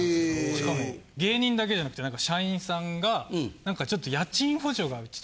しかも芸人だけじゃなくて社員さんがなんか。